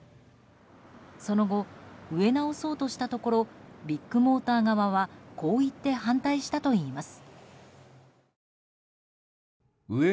その後、植え直そうとしたところビッグモーター側はこう言って反対したといいます。